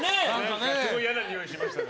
すごい嫌なにおいしましたね。